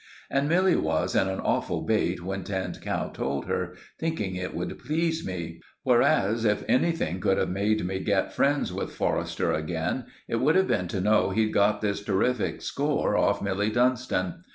And Milly was in an awful bate when Tinned Cow told her, thinking it would please me; whereas, if anything could have made me get friends with Forrester again, it would have been to know he'd got this terrific score off Milly Dunstan.